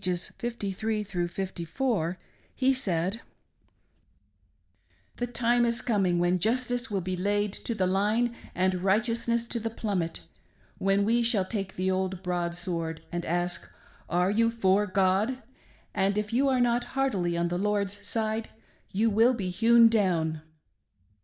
53 4, he said :" The time is coming when justice will be laid to the line and righteousness to the plummet ; when we shall take the old broadsword, and ask, 'Are you for God ?' and if you are not heartily on the Lord's side, you will be hewn down